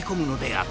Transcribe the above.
あっ。